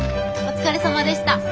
お疲れさまでした。